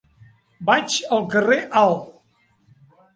Vaig al carrer Alt.